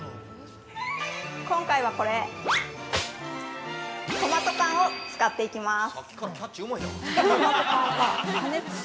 ◆今回はこれ、トマト缶を使っていきます。